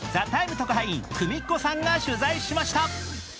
特派員、くみっこさんが取材しました。